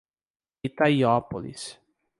Itaiópolis